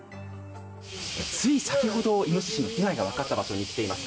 つい先ほど、イノシシの被害が分かった場所に来ています。